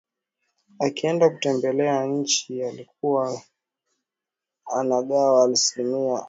Akienda kutembelea nchi alikuwa anagawa almasi Alikuwa